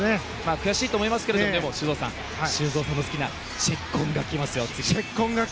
悔しいと思いますがでも修造さん修造さんの好きなチェッコンが来ますよ、次。